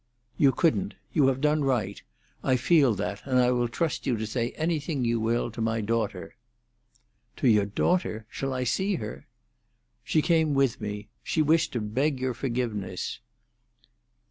"You couldn't. You have done right; I feel that, and I will trust you to say anything you will to my daughter." "To your daughter? Shall I see her?" "She came with me. She wished to beg your forgiveness."